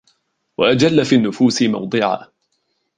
وَأَجَلَّ فِي النُّفُوسِ مَوْضِعًا